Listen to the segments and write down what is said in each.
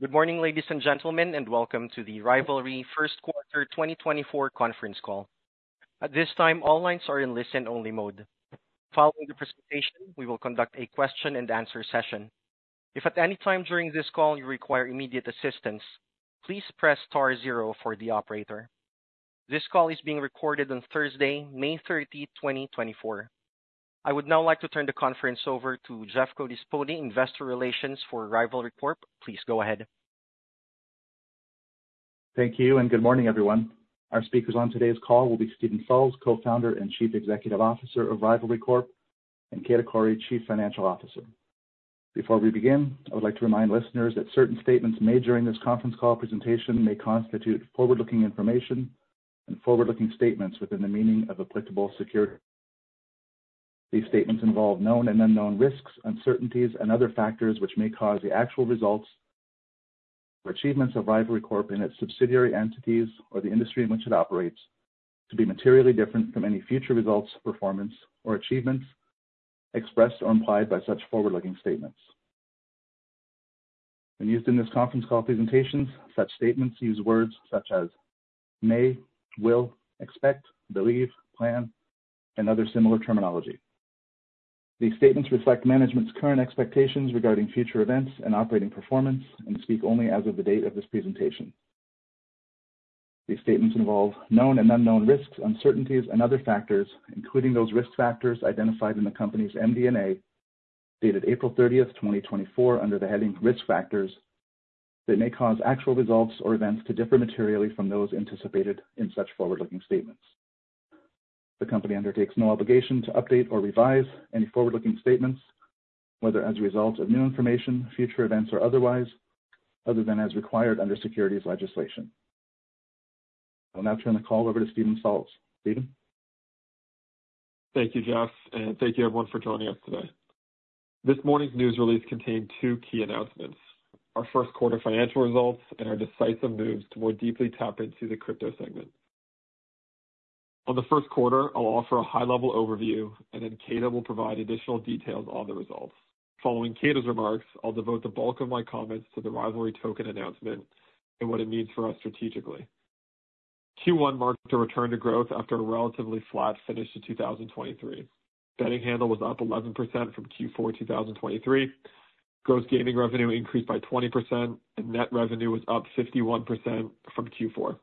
Good morning, ladies and gentlemen, and welcome to the Rivalry Q1 2024 Conference Call. At this time, all lines are in listen-only mode. Following the presentation, we will conduct a question and answer session. If at any time during this call you require immediate assistance, please press star zero for the operator. This call is being recorded on Thursday, 30 May 2024. I would now like to turn the conference over to Jeff Codispoti, Investor Relations for Rivalry Corp. Please go ahead. Thank you, and good morning, everyone. Our speakers on today's call will be Steven Salz, Co-founder and Chief Executive Officer of Rivalry Corp., and Katherine Curry, Chief Financial Officer. Before we begin, I would like to remind listeners that certain statements made during this conference call presentation may constitute forward-looking information and forward-looking statements within the meaning of applicable securities. These statements involve known and unknown risks, uncertainties, and other factors which may cause the actual results or achievements of Rivalry Corp. and its subsidiary entities or the industry in which it operates, to be materially different from any future results, performance, or achievements expressed or implied by such forward-looking statements. When used in this conference call presentations, such statements use words such as may, will, expect, believe, plan, and other similar terminology. These statements reflect management's current expectations regarding future events and operating performance and speak only as of the date of this presentation. These statements involve known and unknown risks, uncertainties, and other factors, including those risk factors identified in the company's MD&A, dated 30 April 2024, under the heading Risk Factors, that may cause actual results or events to differ materially from those anticipated in such forward-looking statements. The company undertakes no obligation to update or revise any forward-looking statements, whether as a result of new information, future events, or otherwise, other than as required under securities legislation. I'll now turn the call over to Steven Salz. Steven? Thank you, Jeff, and thank you, everyone, for joining us today. This morning's news release contained two key announcements: our Q1 financial results and our decisive moves to more deeply tap into the crypto segment. On the Q1, I'll offer a high-level overview, and then Katherine will provide additional details on the results. Following Katherine's remarks, I'll devote the bulk of my comments to the Rivalry token announcement and what it means for us strategically. Q1 marked a return to growth after a relatively flat finish to 2023. Betting handle was up 11% from Q4 2023. Gross gaming revenue increased by 20%, and net revenue was up 51% from Q4.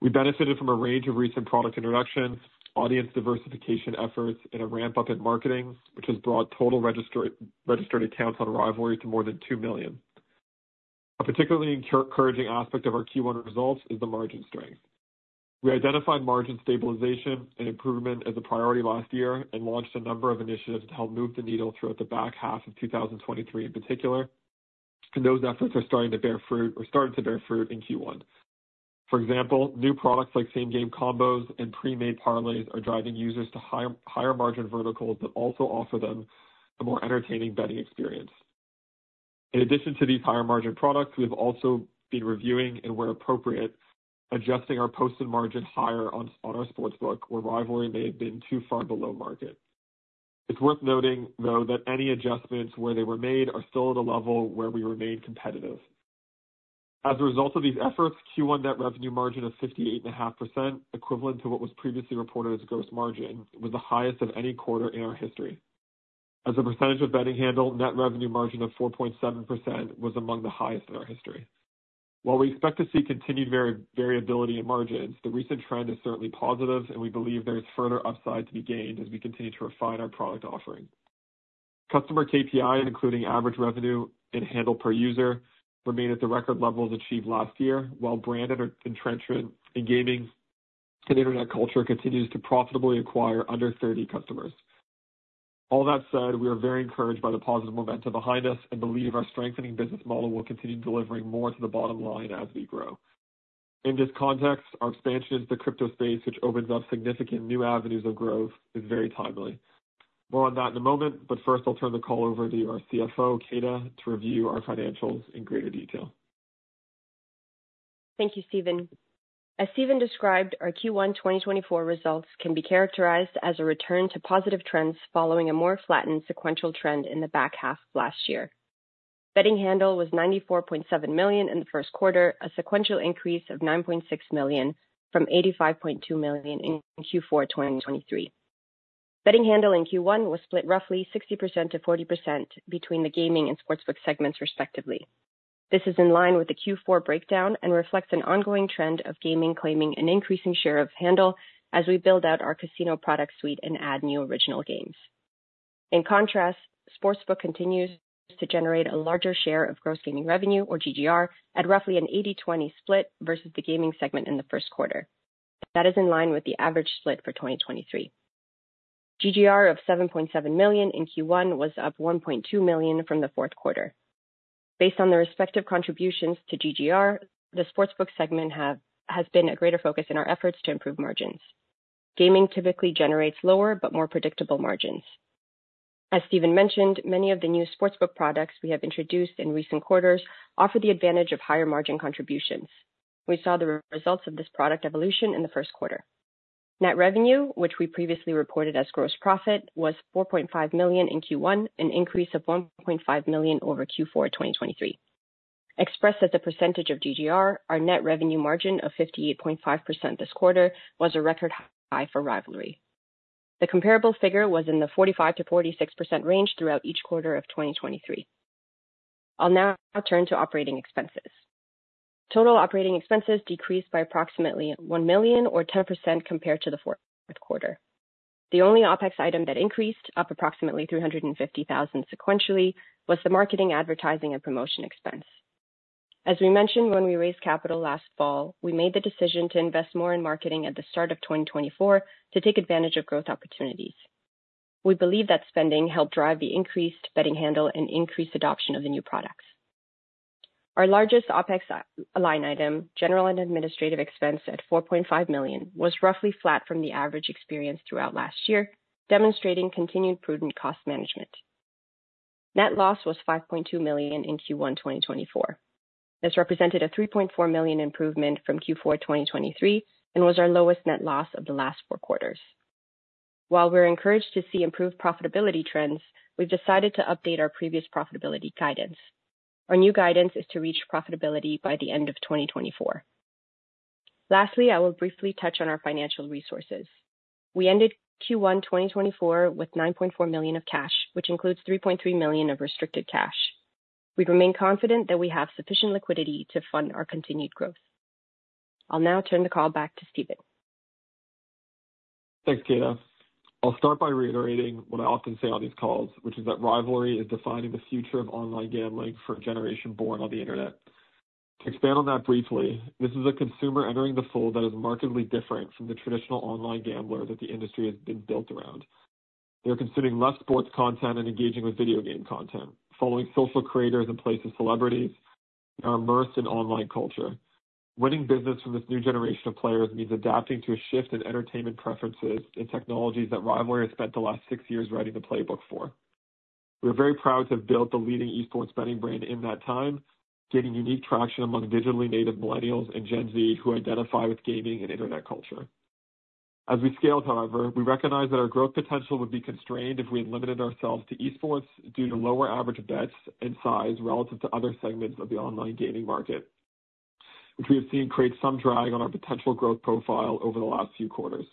We benefited from a range of recent product introductions, audience diversification efforts, and a ramp-up in marketing, which has brought total registered accounts on Rivalry to more than 2 million. A particularly encouraging aspect of our Q1 results is the margin strength. We identified margin stabilization and improvement as a priority last year and launched a number of initiatives to help move the needle throughout the back half of 2023 in particular, and those efforts are starting to bear fruit or started to bear fruit in Q1. For example, new products like Same Game Combos and pre-made parlays are driving users to higher-margin verticals that also offer them a more entertaining betting experience. In addition to these higher-margin products, we've also been reviewing and, where appropriate, adjusting our posted margin higher on our sportsbook, where Rivalry may have been too far below market. It's worth noting, though, that any adjustments where they were made are still at a level where we remain competitive. As a result of these efforts, Q1 net revenue margin of 58.5%, equivalent to what was previously reported as gross margin, was the highest of any quarter in our history. As a percentage of betting handle, net revenue margin of 4.7% was among the highest in our history. While we expect to see continued variability in margins, the recent trend is certainly positive, and we believe there is further upside to be gained as we continue to refine our product offering. Customer KPI, including average revenue and handle per user, remain at the record levels achieved last year, while brand and entrenchment in gaming and internet culture continues to profitably acquire under 30 customers. All that said, we are very encouraged by the positive momentum behind us and believe our strengthening business model will continue delivering more to the bottom line as we grow. In this context, our expansion into the crypto space, which opens up significant new avenues of growth, is very timely. More on that in a moment, but first, I'll turn the call over to our CFO, Katherine, to review our financials in greater detail. Thank you, Steven. As Steven described, our Q1 2024 results can be characterized as a return to positive trends following a more flattened sequential trend in the back half of last year. Betting handle was 94.7 million in the Q1, a sequential increase of 9.6 from 85.2 million in Q4 2023. Betting handle in Q1 was split roughly 60% to 40% between the gaming and sportsbook segments, respectively. This is in line with the Q4 breakdown and reflects an ongoing trend of gaming claiming an increasing share of handle as we build out our casino product suite and add new original games. In contrast, sportsbook continues to generate a larger share of gross gaming revenue, or GGR, at roughly an 80/20 split versus the gaming segment in the Q1. That is in line with the average split for 2023. GGR of 7.7 million in Q1 was up 1.2 million from the Q4. Based on the respective contributions to GGR, the sportsbook segment has been a greater focus in our efforts to improve margins. Gaming typically generates lower but more predictable margins. As Steven mentioned, many of the new sportsbook products we have introduced in recent quarters offer the advantage of higher margin contributions. We saw the results of this product evolution in Q1... net revenue, which we previously reported as gross profit, was 4.5 million in Q1, an increase of 1.5 million over Q4 2023. Expressed as a percentage of GGR, our net revenue margin of 58.5% this quarter was a record high for Rivalry. The comparable figure was in the 45% to 46% range throughout each quarter of 2023. I'll now turn to operating expenses. Total operating expenses decreased by approximately 1 million, or 10% compared to the Q4. The only OPEX item that increased, up approximately 350,000 sequentially, was the marketing, advertising, and promotion expense. As we mentioned when we raised capital last fall, we made the decision to invest more in marketing at the start of 2024 to take advantage of growth opportunities. We believe that spending helped drive the increased betting handle and increased adoption of the new products. Our largest OPEX line item, general and administrative expense at 4.5 million, was roughly flat from the average experience throughout last year, demonstrating continued prudent cost management. Net loss was 5.2 million in Q1, 2024. This represented a 3.4 million improvement from Q4 2023, and was our lowest net loss of the last four quarters. While we're encouraged to see improved profitability trends, we've decided to update our previous profitability guidance. Our new guidance is to reach profitability by the end of 2024. Lastly, I will briefly touch on our financial resources. We ended Q1 2024 with 9.4 million of cash, which includes 3.3 million of restricted cash. We remain confident that we have sufficient liquidity to fund our continued growth. I'll now turn the call back to Steven. Thanks, Katherine. I'll start by reiterating what I often say on these calls, which is that Rivalry is defining the future of online gambling for a generation born on the Internet. To expand on that briefly, this is a consumer entering the fold that is markedly different from the traditional online gambler that the industry has been built around. They're consuming less sports content and engaging with video game content, following social creators in place of celebrities, and are immersed in online culture. Winning business from this new generation of players means adapting to a shift in entertainment preferences and technologies that Rivalry has spent the last six years writing the playbook for. We're very proud to have built the leading esports betting brand in that time, gaining unique traction among digitally native Millennials and Gen Z who identify with gaming and Internet culture. As we scaled, however, we recognized that our growth potential would be constrained if we limited ourselves to esports due to lower average bets and size relative to other segments of the online gaming market, which we have seen create some drag on our potential growth profile over the last few quarters.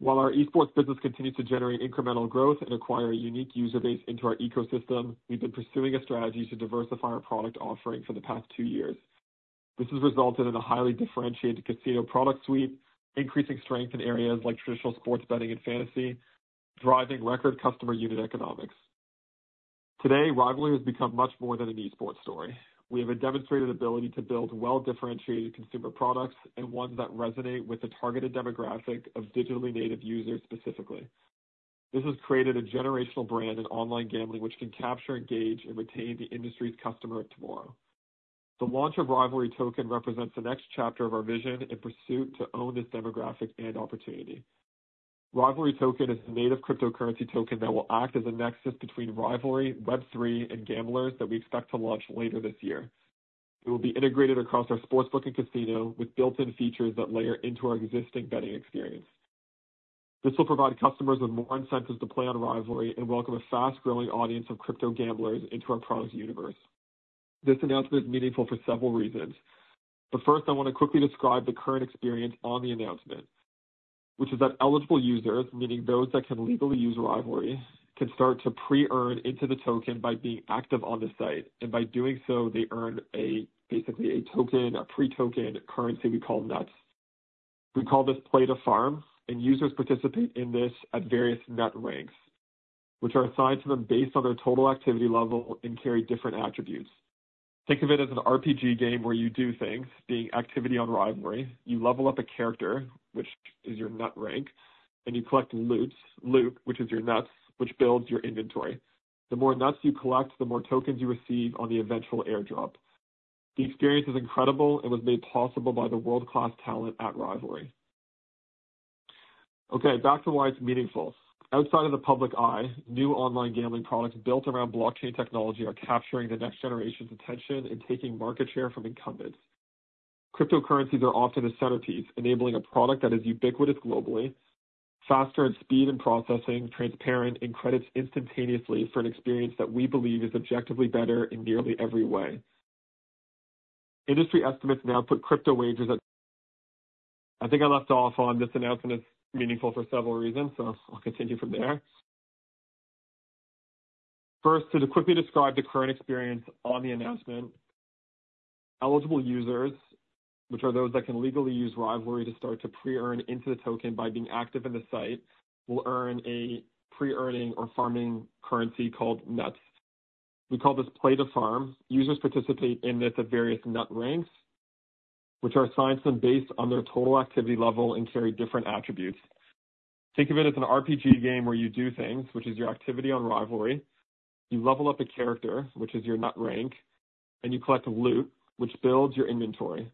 While our esports business continues to generate incremental growth and acquire a unique user base into our ecosystem, we've been pursuing a strategy to diversify our product offering for the past two years. This has resulted in a highly differentiated casino product suite, increasing strength in areas like traditional sports betting and fantasy, driving record customer unit economics. Today, Rivalry has become much more than an esports story. We have a demonstrated ability to build well-differentiated consumer products and ones that resonate with the targeted demographic of digitally native users specifically. This has created a generational brand in online gambling, which can capture, engage, and retain the industry's customer of tomorrow. The launch of Rivalry Token represents the next chapter of our vision and pursuit to own this demographic and opportunity. Rivalry Token is the native cryptocurrency token that will act as a nexus between Rivalry, Web3, and gamblers that we expect to launch later this year. It will be integrated across our sportsbook and casino with built-in features that layer into our existing betting experience. This will provide customers with more incentives to play on Rivalry and welcome a fast-growing audience of crypto gamblers into our product universe. This announcement is meaningful for several reasons, but first, I want to quickly describe the current experience on the announcement, which is that eligible users, meaning those that can legally use Rivalry, can start to pre-earn into the token by being active on the site, and by doing so, they earn a, basically a token, a pre-token currency we call NUTZ. We call this Play-to-Farm, and users participate in this at various NUTZ ranks, which are assigned to them based on their total activity level and carry different attributes. Think of it as an RPG game where you do things, being activity on Rivalry. You level up a character, which is your NUTZ rank, and you collect loot, which is your NUTZ, which builds your inventory. The more NUTZ you collect, the more tokens you receive on the eventual airdrop. The experience is incredible and was made possible by the world-class talent at Rivalry. Okay, back to why it's meaningful. Outside of the public eye, new online gambling products built around blockchain technology are capturing the next generation's attention and taking market share from incumbents. Cryptocurrencies are often the centerpiece, enabling a product that is ubiquitous globally, faster in speed and processing, transparent, and credits instantaneously for an experience that we believe is objectively better in nearly every way. Industry estimates now put crypto wagers at -- I think I left off on this. Announcement is meaningful for several reasons, so I'll continue from there. First, to quickly describe the current experience on the announcement, eligible users, which are those that can legally use Rivalry to start to pre-earn into the token by being active in the site, will earn a pre-earning or farming currency called NUTZ. We call this Play-to-Farm. Users participate in this at various NUTZ ranks, which are assigned to them based on their total activity level and carry different attributes. Think of it as an RPG game where you do things, which is your activity on Rivalry. You level up a character, which is your NUTZ rank, and you collect loot, which builds your inventory.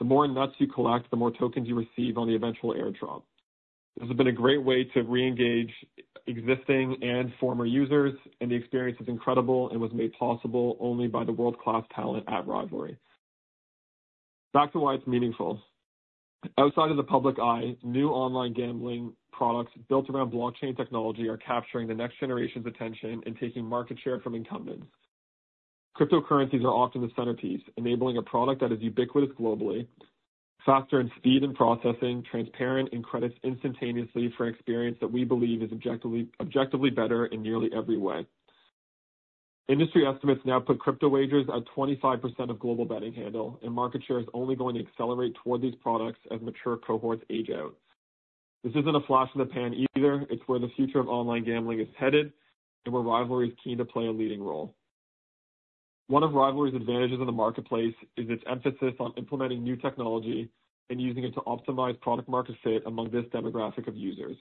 The more NUTZ you collect, the more tokens you receive on the eventual airdrop. This has been a great way to reengage existing and former users, and the experience is incredible and was made possible only by the world-class talent at Rivalry. Back to why it's meaningful. Outside of the public eye, new online gambling products built around blockchain technology are capturing the next generation's attention and taking market share from incumbents. Cryptocurrencies are often the centerpiece, enabling a product that is ubiquitous globally, faster in speed and processing, transparent, and credits instantaneously for an experience that we believe is objectively, objectively better in nearly every way. Industry estimates now put crypto wagers at 25% of global betting handle, and market share is only going to accelerate toward these products as mature cohorts age out. This isn't a flash in the pan either. It's where the future of online gambling is headed and where Rivalry is keen to play a leading role. One of Rivalry's advantages in the marketplace is its emphasis on implementing new technology and using it to optimize product market fit among this demographic of users.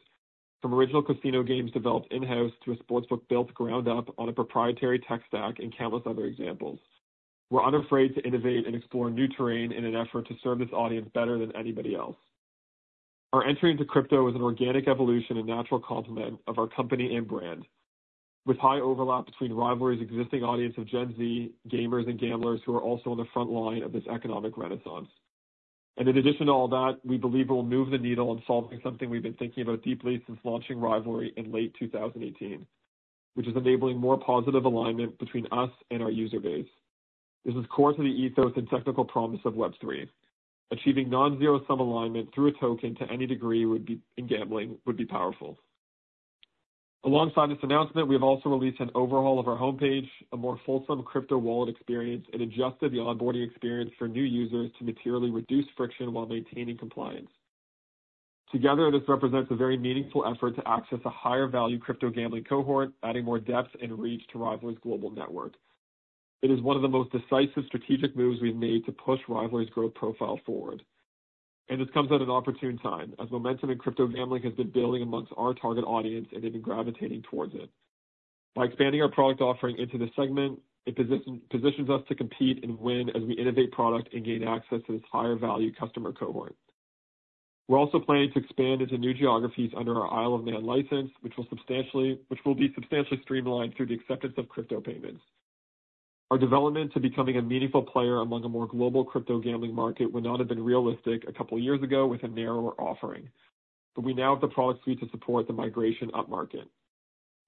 From original casino games developed in-house to a sportsbook built ground up on a proprietary tech stack and countless other examples, we're unafraid to innovate and explore new terrain in an effort to serve this audience better than anybody else. Our entry into crypto is an organic evolution and natural complement of our company and brand, with high overlap between Rivalry's existing audience of Gen Z gamers and gamblers who are also on the front line of this economic renaissance. In addition to all that, we believe it will move the needle on solving something we've been thinking about deeply since launching Rivalry in late 2018, which is enabling more positive alignment between us and our user base. This is core to the ethos and technical promise of Web3. Achieving non-zero-sum alignment through a token to any degree would be - in gambling, would be powerful. Alongside this announcement, we've also released an overhaul of our homepage, a more fulsome crypto wallet experience, and adjusted the onboarding experience for new users to materially reduce friction while maintaining compliance. Together, this represents a very meaningful effort to access a higher value crypto gambling cohort, adding more depth and reach to Rivalry's global network. It is one of the most decisive strategic moves we've made to push Rivalry's growth profile forward. This comes at an opportune time, as momentum in crypto gambling has been building among our target audience, and they've been gravitating towards it. By expanding our product offering into this segment, it positions us to compete and win as we innovate product and gain access to this higher value customer cohort. We're also planning to expand into new geographies under our Isle of Man license, which will be substantially streamlined through the acceptance of crypto payments. Our development to becoming a meaningful player among a more global crypto gambling market would not have been realistic a couple of years ago with a narrower offering, but we now have the product suite to support the migration upmarket.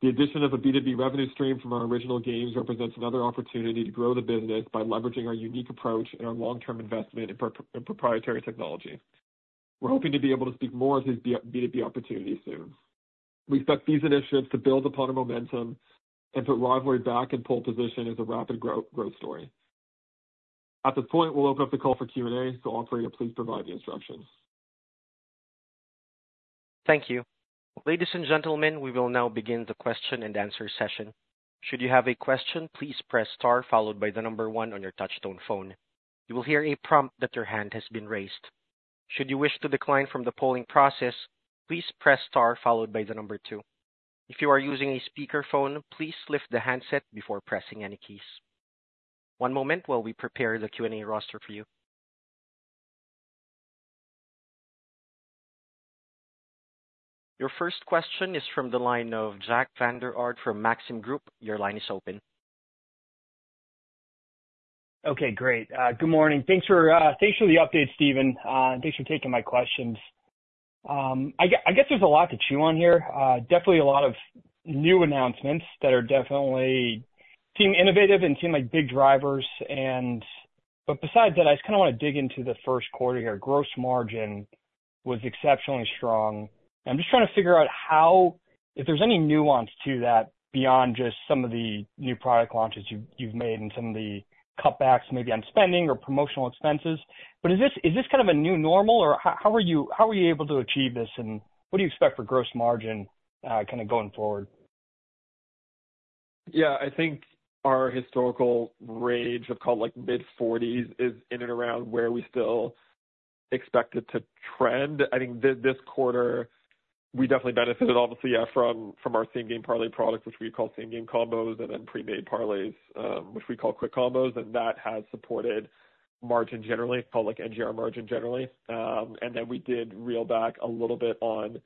The addition of a B2B revenue stream from our original games represents another opportunity to grow the business by leveraging our unique approach and our long-term investment in proprietary technology. We're hoping to be able to speak more to these B2B opportunities soon. We expect these initiatives to build upon our momentum and put Rivalry back in pole position as a growth story. At this point, we'll open up the call for Q&A. Operator, please provide the instructions. Thank you. Ladies and gentlemen, we will now begin the question-and-answer session. Should you have a question, please press star followed by the number one on your touchtone phone. You will hear a prompt that your hand has been raised. Should you wish to decline from the polling process, please press star followed by the number two. If you are using a speakerphone, please lift the handset before pressing any keys. One moment while we prepare the Q&A roster for you. Your first question is from the line of Jack Vander Aarde from Maxim Group. Your line is open. Okay, great. Good morning. Thanks for, thanks for the update, Steven. Thanks for taking my questions. I guess there's a lot to chew on here. Definitely a lot of new announcements that are definitely seem innovative and seem like big drivers and... But besides that, I just kinda wanna dig into the Q1 here. Gross margin was exceptionally strong, and I'm just trying to figure out how, if there's any nuance to that beyond just some of the new product launches you've, you've made and some of the cutbacks maybe on spending or promotional expenses. But is this, is this kind of a new normal, or how, how are you, how were you able to achieve this, and what do you expect for gross margin, kind of going forward? Yeah, I think our historical range of kind of like mid-forties is in and around where we still expect it to trend. I think this quarter, we definitely benefited, obviously, yeah, from our same-game parlay products, which we call same-game combos, and then pre-made parlays, which we call Quick Combos, and that has supported margin generally, public NGR margin generally. And then we did reel back a little bit on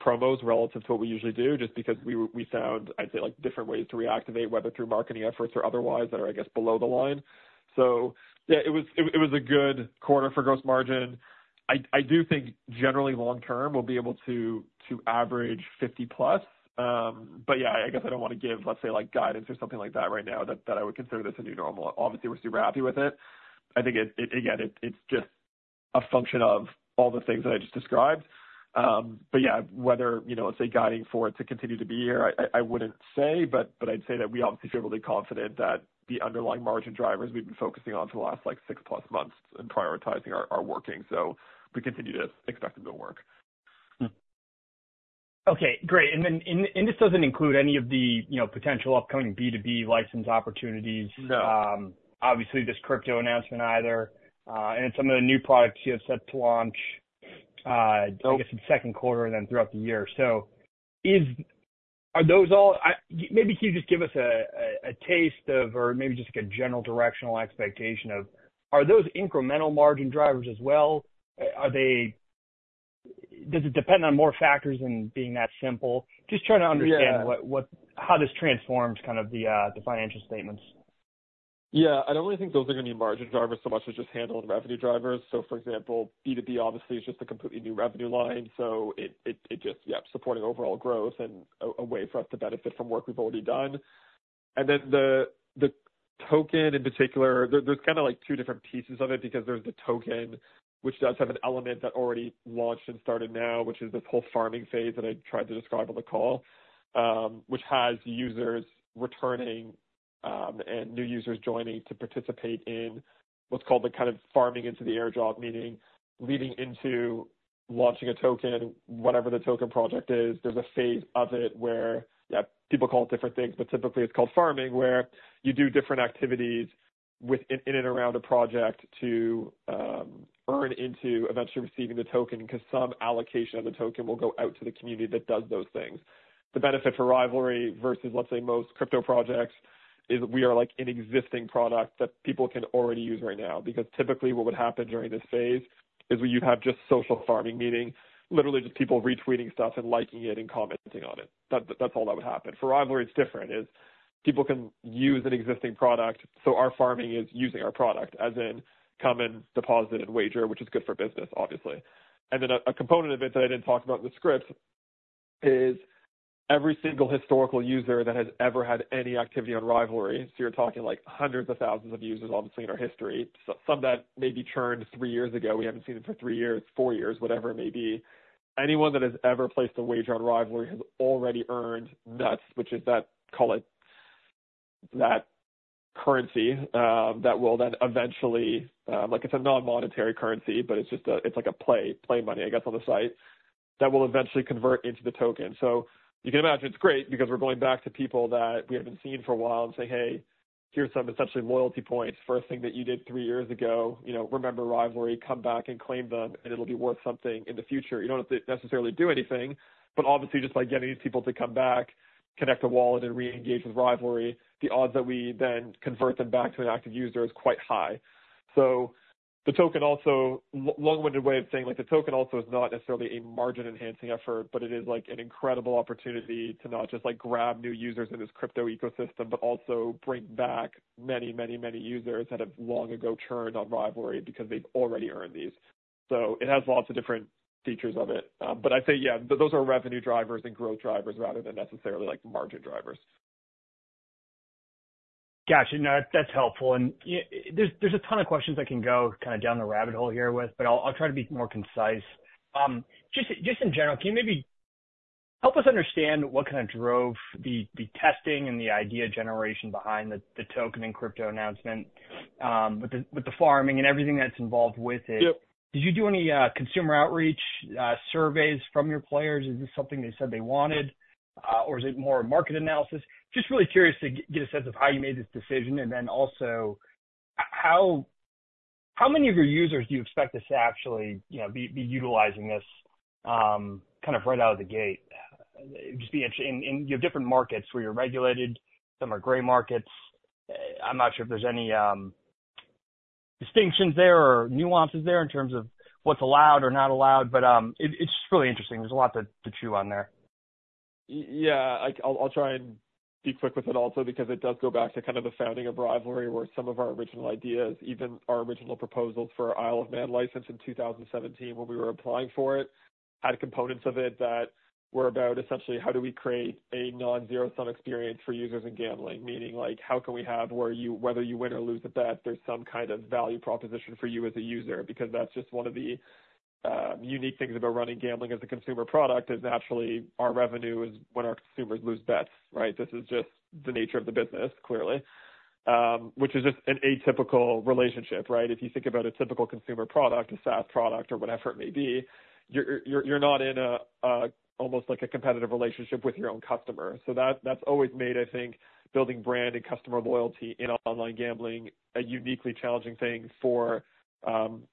promos relative to what we usually do, just because we found, I'd say, like, different ways to reactivate, whether through marketing efforts or otherwise, that are, I guess, below the line. So yeah, it was a good quarter for gross margin. I do think generally long term, we'll be able to average fifty plus. But yeah, I guess I don't want to give, let's say, like, guidance or something like that right now, that I would consider this a new normal. Obviously, we're super happy with it. I think it again, it's just a function of all the things that I just described. But yeah, whether, you know, let's say guiding forward to continue to be here, I wouldn't say, but I'd say that we obviously feel really confident that the underlying margin drivers we've been focusing on for the last, like, six-plus months and prioritizing are working, so we continue to expect them to work. Okay, great. And then, this doesn't include any of the, you know, potential upcoming B2B license opportunities? Obviously, this crypto announcement either, and some of the new products you have set to launch, I guess in the Q2 and then throughout the year. Maybe can you just give us a taste of or maybe just like a general directional expectation of, are those incremental margin drivers as well? Does it depend on more factors than being that simple? Just trying to understand what, how this transforms kind of the financial statements. Yeah, I don't really think those are gonna be margin drivers so much as just handle and revenue drivers. So for example, B2B obviously is just a completely new revenue line, so it just, yeah, supporting overall growth and a way for us to benefit from work we've already done. And then the token in particular, there's kind of like two different pieces of it because there's the token, which does have an element that already launched and started now, which is this whole farming phase that I tried to describe on the call, which has users returning and new users joining to participate in what's called the kind of farming into the airdrop, meaning leading into launching a token, whatever the token project is. There's a phase of it where, yeah, people call it different things, but typically it's called farming, where you do different activities with in and around a project to earn into eventually receiving the token, because some allocation of the token will go out to the community that does those things. The benefit for Rivalry versus, let's say, most crypto projects is we are like an existing product that people can already use right now. Because typically, what would happen during this phase is you'd have just social farming, meaning literally just people retweeting stuff and liking it and commenting on it. That, that's all that would happen. For Rivalry, it's different, people can use an existing product, so our farming is using our product, as in come and deposit and wager, which is good for business, obviously. And then a component of it that I didn't talk about in the script is every single historical user that has ever had any activity on Rivalry, so you're talking like hundreds of thousands of users, obviously, in our history. So some that maybe churned three years ago, we haven't seen them for three years, four years, whatever it may be. Anyone that has ever placed a wager on Rivalry has already earned NUTZ, which is that, call it, that currency, that will then eventually... like it's a non-monetary currency, but it's just a, it's like a play, play money, I guess, on the site, that will eventually convert into the token. So you can imagine it's great because we're going back to people that we haven't seen for a while and say, "Hey, here's some essentially loyalty points. First thing that you did three years ago, you know, remember Rivalry, come back and claim them, and it'll be worth something in the future." You don't have to necessarily do anything, but obviously just by getting these people to come back, connect a wallet, and re-engage with Rivalry, the odds that we then convert them back to an active user is quite high. So the token also—a long-winded way of saying, like, the token also is not necessarily a margin-enhancing effort, but it is like an incredible opportunity to not just, like, grab new users in this crypto ecosystem, but also bring back many, many, many users that have long ago churned on Rivalry because they've already earned these. So it has lots of different features of it. But I'd say, yeah, those are revenue drivers and growth drivers rather than necessarily like margin drivers. Gotcha. No, that's helpful. And there's a ton of questions I can go kind of down the rabbit hole here with, but I'll try to be more concise. Just in general, can you maybe help us understand what kind of drove the testing and the idea generation behind the token and crypto announcement, with the farming and everything that's involved with it? Yep. Did you do any consumer outreach surveys from your players? Is this something they said they wanted, or is it more market analysis? Just really curious to get a sense of how you made this decision, and then also how many of your users do you expect this to actually, you know, be utilizing this kind of right out of the gate? It'd just be interesting... and you have different markets where you're regulated, some are gray markets. I'm not sure if there's any distinctions there or nuances there in terms of what's allowed or not allowed, but it's just really interesting. There's a lot to chew on there. Yeah, I'll try and be quick with it also, because it does go back to kind of the founding of Rivalry, where some of our original ideas, even our original proposals for our Isle of Man license in 2017 when we were applying for it, had components of it that were about essentially how do we create a non-zero-sum experience for users in gambling? Meaning like, how can we have where you—whether you win or lose a bet, there's some kind of value proposition for you as a user, because that's just one of the unique things about running gambling as a consumer product, is naturally our revenue is when our consumers lose bets, right? This is just the nature of the business, clearly, which is just an atypical relationship, right? If you think about a typical consumer product, a SaaS product, or whatever it may be, you're not in an almost like a competitive relationship with your own customer. So that's always made, I think, building brand and customer loyalty in online gambling a uniquely challenging thing for,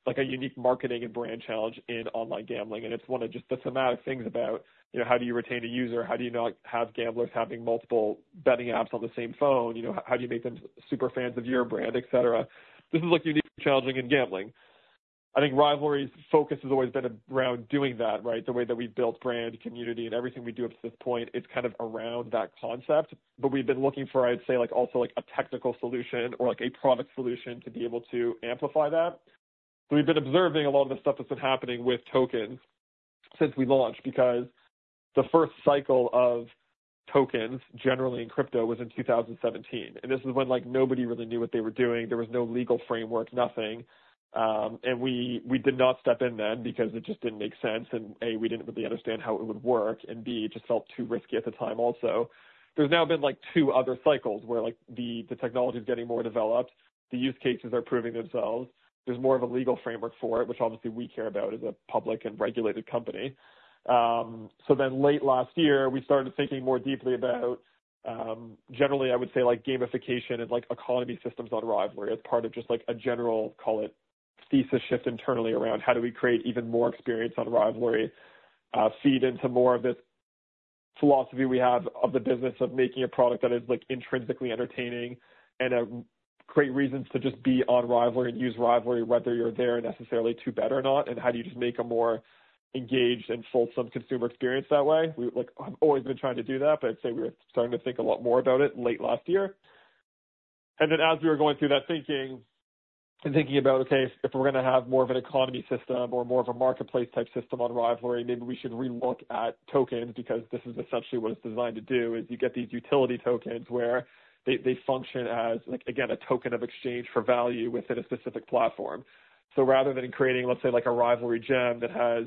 like a unique marketing and brand challenge in online gambling. And it's one of just the thematic things about, you know, how do you retain a user? How do you not have gamblers having multiple betting apps on the same phone? You know, how do you make them super fans of your brand, et cetera? This is, like, uniquely challenging in gambling. I think Rivalry's focus has always been around doing that, right? The way that we've built brand, community, and everything we do up to this point, it's kind of around that concept. But we've been looking for, I'd say, like, also like a technical solution or like a product solution to be able to amplify that. So we've been observing a lot of the stuff that's been happening with tokens since we launched, because the first cycle of tokens, generally in crypto, was in 2017, and this is when, like, nobody really knew what they were doing. There was no legal framework, nothing. And we did not step in then because it just didn't make sense, and A, we didn't really understand how it would work, and B, it just felt too risky at the time also. There's now been, like, two other cycles where, like, the technology is getting more developed, the use cases are proving themselves. There's more of a legal framework for it, which obviously we care about as a public and regulated company. So then late last year, we started thinking more deeply about, generally I would say, like, gamification and like, economy systems on Rivalry as part of just like a general, call it, thesis shift internally around how do we create even more experience on Rivalry, feed into more of this philosophy we have of the business of making a product that is, like, intrinsically entertaining and, great reasons to just be on Rivalry and use Rivalry, whether you're there necessarily to bet or not, and how do you just make a more engaged and fulsome consumer experience that way? We, like, have always been trying to do that, but I'd say we were starting to think a lot more about it late last year. And then as we were going through that thinking and thinking about, okay, if we're gonna have more of an economy system or more of a marketplace type system on Rivalry, maybe we should re-look at tokens, because this is essentially what it's designed to do, is you get these utility tokens where they, they function as, like, again, a token of exchange for value within a specific platform. So rather than creating, let's say, like, a Rivalry gem that has,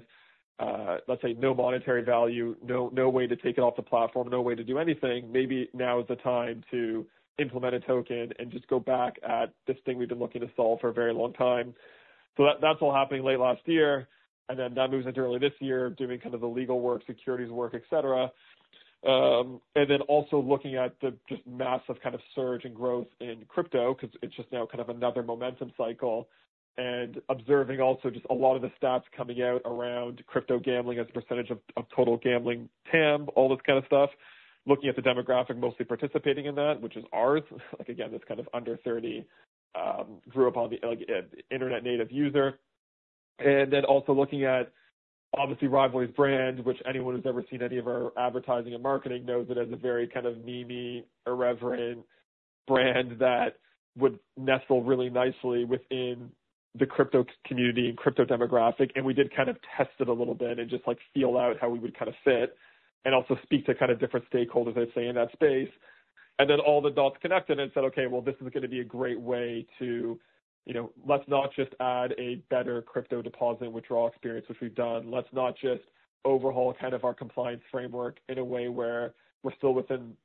let's say, no monetary value, no, no way to take it off the platform, no way to do anything, maybe now is the time to implement a token and just go back at this thing we've been looking to solve for a very long time. So that's all happening late last year, and then that moves into early this year, doing kind of the legal work, securities work, et cetera. And then also looking at the just massive kind of surge in growth in crypto, because it's just now kind of another momentum cycle, and observing also just a lot of the stats coming out around crypto gambling as a percentage of total gambling TAM, all this kind of stuff. Looking at the demographic mostly participating in that, which is ours. Like, again, this kind of under thirty, grew up on the, like, internet native user. And then also looking at, obviously, Rivalry's brand, which anyone who's ever seen any of our advertising and marketing knows that it has a very kind of meme-y, irreverent brand that would nestle really nicely within the crypto community and crypto demographic. We did kind of test it a little bit and just, like, feel out how we would kind of fit and also speak to kind of different stakeholders, I'd say, in that space. And then all the dots connected and said, "Okay, well, this is gonna be a great way to..." You know, let's not just add a better crypto deposit and withdrawal experience, which we've done. Let's not just overhaul kind of our compliance framework in a way where we're still within,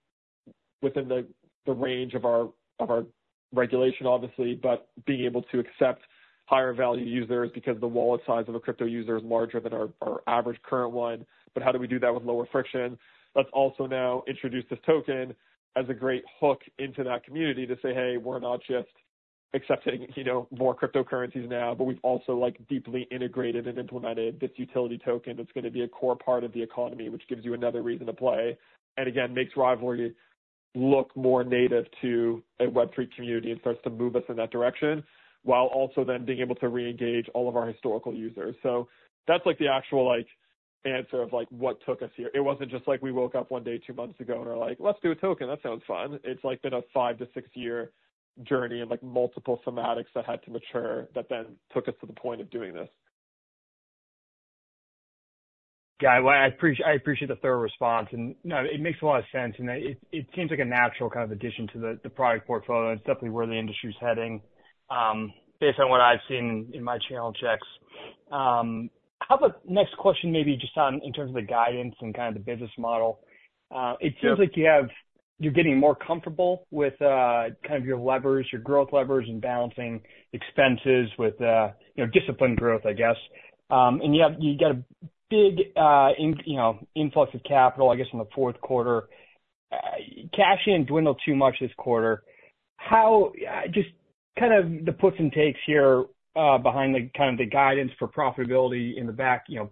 within the, the range of our, of our regulation, obviously, but being able to accept higher value users because the wallet size of a crypto user is larger than our, our average current one. But how do we do that with lower friction? Let's also now introduce this token as a great hook into that community to say, "Hey, we're not just accepting, you know, more cryptocurrencies now, but we've also, like, deeply integrated and implemented this utility token that's gonna be a core part of the economy, which gives you another reason to play." And again, makes Rivalry look more native to a Web3 community and starts to move us in that direction, while also then being able to reengage all of our historical users. So that's, like, the actual, like, answer of, like, what took us here. It wasn't just like we woke up one day, 2 months ago, and we're like, "Let's do a token. That sounds fun." It's, like, been a 5 to 6-year journey and, like, multiple somatics that had to mature that then took us to the point of doing this. Yeah, well, I appreciate the thorough response, and, no, it makes a lot of sense, and it seems like a natural kind of addition to the product portfolio. It's definitely where the industry is heading, based on what I've seen in my channel checks. How about next question, maybe just on, in terms of the guidance and kind of the business model. It seems like you have... You're getting more comfortable with kind of your levers, your growth levers and balancing expenses with, you know, disciplined growth, I guess. And you got a big, you know, influx of capital, I guess, in the Q4. Cash didn't dwindle too much this quarter. How... Just kind of the puts and takes here behind the kind of the guidance for profitability in the back, you know,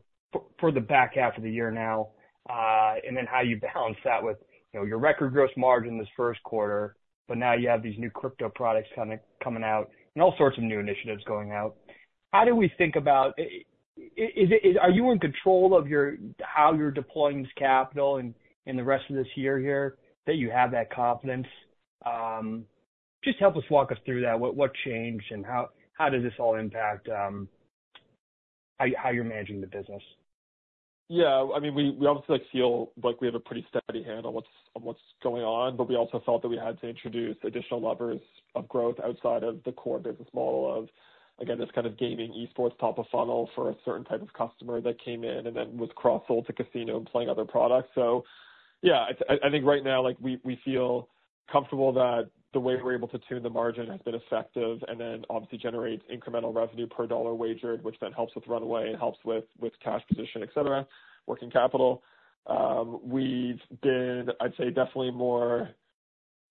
for the back half of the year now, and then how you balance that with, you know, your record gross margin this Q1, but now you have these new crypto products coming out and all sorts of new initiatives going out. Are you in control of your, how you're deploying this capital in the rest of this year here, that you have that confidence? Just help us walk us through that. What changed, and how does this all impact how you're managing the business? Yeah, I mean, we, we obviously feel like we have a pretty steady handle on what's, on what's going on, but we also felt that we had to introduce additional levers of growth outside of the core business model of, again, this kind of gaming esports top of funnel for a certain type of customer that came in and then was cross-sold to casino and playing other products. So yeah, I, I think right now, like, we, we feel comfortable that the way we're able to tune the margin has been effective and then obviously generates incremental revenue per dollar wagered, which then helps with runway and helps with, with cash position, et cetera, working capital. We've been, I'd say, definitely more,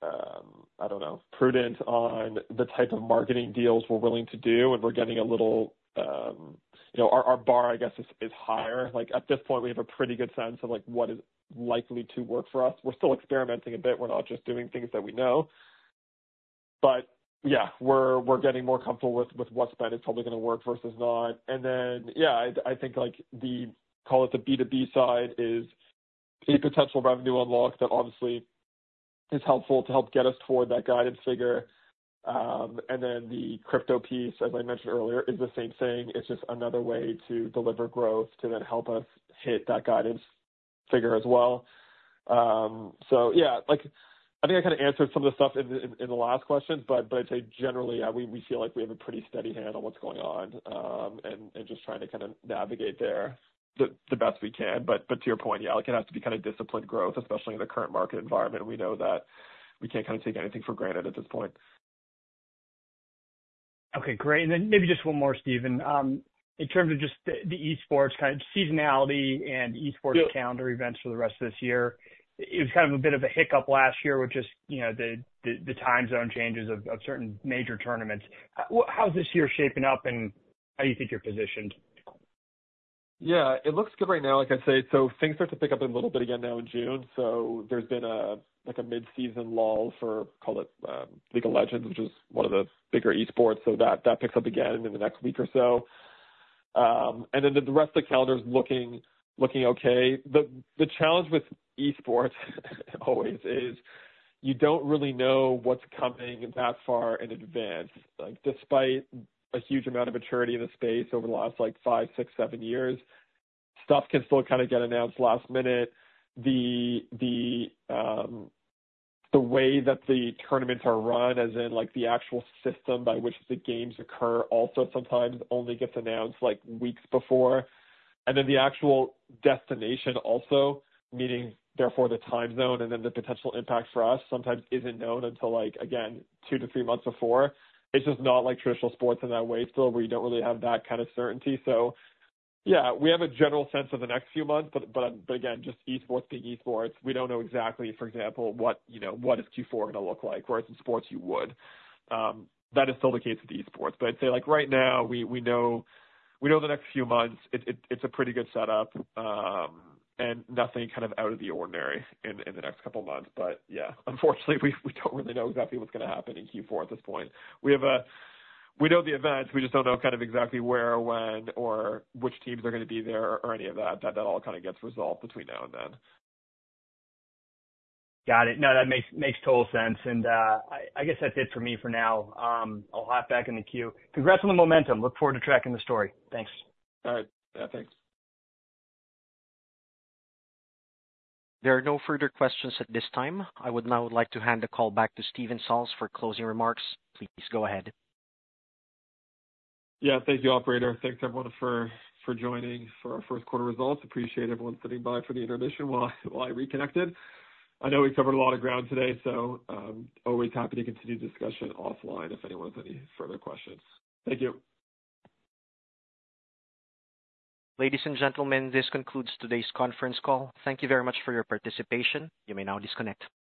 I don't know, prudent on the type of marketing deals we're willing to do, and we're getting a little... You know, our bar, I guess, is higher. Like, at this point, we have a pretty good sense of, like, what is likely to work for us. We're still experimenting a bit. We're not just doing things that we know. But yeah, we're getting more comfortable with what spend is probably gonna work versus not. And then, yeah, I think, like, call it the B2B side, is a potential revenue unlock that obviously is helpful to help get us toward that guidance figure. And then the crypto piece, as I mentioned earlier, is the same thing. It's just another way to deliver growth to then help us hit that guidance figure as well. So yeah, like, I think I kind of answered some of the stuff in the last questions, but I'd say generally, yeah, we feel like we have a pretty steady handle on what's going on, and just trying to kind of navigate there the best we can. But to your point, yeah, like, it has to be kind of disciplined growth, especially in the current market environment. We know that we can't kind of take anything for granted at this point. Okay, great. Maybe just one more, Steven. In terms of just the esports kind of seasonality and esports calendar events for the rest of this year, it was kind of a bit of a hiccup last year with just, you know, the time zone changes of certain major tournaments. How's this year shaping up and how you think you're positioned? Yeah, it looks good right now, like I say. So things start to pick up a little bit again now in June. So there's been, like, a mid-season lull for, call it, League of Legends, which is one of the bigger esports. So that picks up again in the next week or so. And then the rest of the calendar is looking okay. The challenge with esports always is you don't really know what's coming that far in advance. Like, despite a huge amount of maturity in the space over the last, like, five, six, seven years, stuff can still kind of get announced last minute. The way that the tournaments are run, as in, like, the actual system by which the games occur, also sometimes only gets announced like weeks before. Then the actual destination also, meaning therefore the time zone and then the potential impact for us, sometimes isn't known until like, again, 2 to 3 months before. It's just not like traditional sports in that way still, where you don't really have that kind of certainty. So yeah, we have a general sense of the next few months, but again, just esports being esports, we don't know exactly, for example, what, you know, what is Q4 going to look like, whereas in sports you would. That is still the case with esports. But I'd say, like, right now, we know the next few months, it's a pretty good setup, and nothing kind of out of the ordinary in the next couple of months. But yeah, unfortunately, we don't really know exactly what's going to happen in Q4 at this point. We have a... We know the events, we just don't know kind of exactly where, when, or which teams are going to be there or any of that. That all kind of gets resolved between now and then. Got it. No, that makes total sense. And, I guess that's it for me for now. I'll hop back in the queue. Congrats on the momentum. Look forward to tracking the story. Thanks. All right. Yeah, thanks. There are no further questions at this time. I would now like to hand the call back to Steven Salz for closing remarks. Please go ahead. Yeah. Thank you, operator. Thanks, everyone, for joining for our Q1 results. Appreciate everyone sitting by for the intermission while I reconnected. I know we covered a lot of ground today, so always happy to continue the discussion offline if anyone has any further questions. Thank you. Ladies and gentlemen, this concludes today's conference call. Thank you very much for your participation. You may now disconnect.